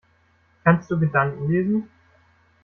Kannst du Gedanken lesen?